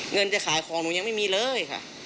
เงินจะขายของหนูยังไม่มีเลยค่ะ